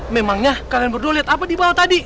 memangnya kalian berdua lihat apa di bawah tadi